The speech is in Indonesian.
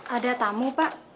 ada tamu pak